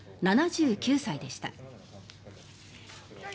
７９歳でした。